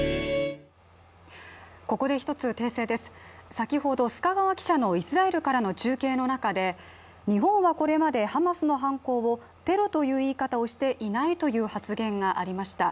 先ほど須賀川記者のイスラエルからの中継の中で日本はこれまでハマスの犯行をテロという言い方をしていないという発言がありました。